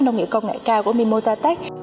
nông nghiệp công nghệ cao của mimosa tech